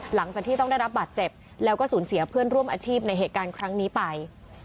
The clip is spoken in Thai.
หลังจากที่ต้องได้รับบาดเจ็บแล้วก็สูญเสียเพื่อนร่วมอาชีพในเหตุการณ์ครั้งนี้ไป